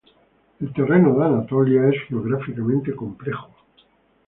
El terreno de Anatolia es geográficamente complejo.